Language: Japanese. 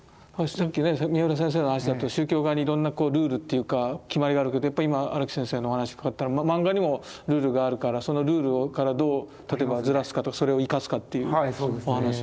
さっきね三浦先生の話だと宗教画にいろんなルールっていうか決まりがあるけどやっぱり今荒木先生のお話伺ったらマンガにもルールがあるからそのルールからどう例えばずらすかそれを生かすかというお話。